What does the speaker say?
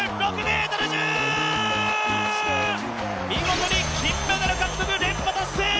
見事に金メダル獲得連覇達成！